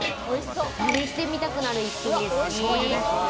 まねしてみたくなる一品ですね。